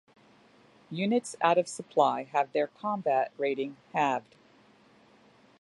Units out of supply have their combat rating halved.